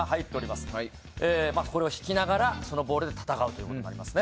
まず、これを引きながらそのボールで戦うということになります。